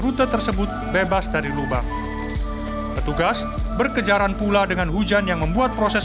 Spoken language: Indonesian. rute tersebut bebas dari lubang petugas berkejaran pula dengan hujan yang membuat proses